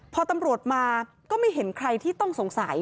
พอตำรวจมาก็ไม่เห็นใครที่ต้องสงสัย